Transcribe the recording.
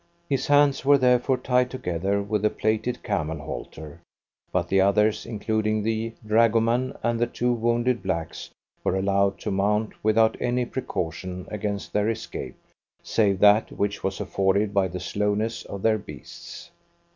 His hands were therefore tied together with a plaited camel halter, but the others, including the dragoman and the two wounded blacks, were allowed to mount without any precaution against their escape, save that which was afforded by the slowness of their beasts.